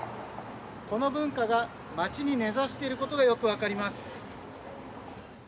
この文化が街に根ざしていることがよく分かります。